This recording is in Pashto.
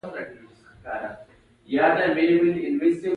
لکه سالمونیلا ټایفي.